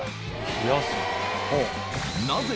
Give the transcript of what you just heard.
冷やす。